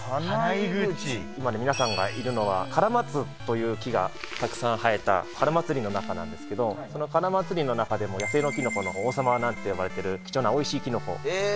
今ね、皆さんがいるのはカラマツという木がたくさん生えたカラマツ林の中なんですけど、そのカラマツ林の中でも野生のキノコの王様なんていわれている貴えー。